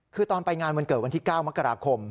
คือตอนไปงานวันเกิดวันที่๙มกราคม